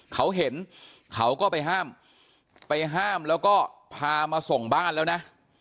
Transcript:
เขาเห็นเขาก็ไปห้ามไปห้ามแล้วก็พามาส่งบ้านแล้วนะ